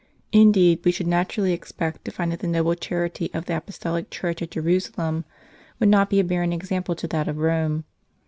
* Indeed we should naturally expect to find that the noble charity of the Apostolic Church at Jerusalem would not be a barren example to that of Rome.